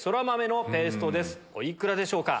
お幾らでしょうか？